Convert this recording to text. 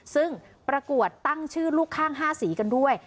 ซึ่งประกวดตั้งชื่อลูกข้าง๕สีกันด้วย